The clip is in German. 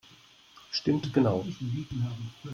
Stimmt genau!